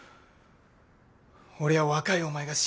俺は若いお前が心配で。